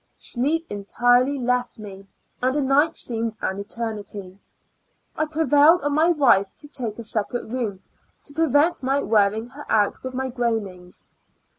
Sleep entirely left me, and a night seemed an eternity. I pre vailed on my wife to take a separate room to prevent m}^ wearing her out with my srroanino;s.